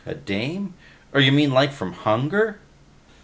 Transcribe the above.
A dame? Or you mean like from Hunger?"